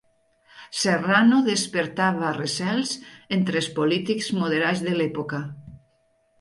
Serrano despertava recels entre els polítics moderats de l'època.